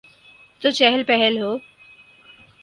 تو چہل پہل ہو۔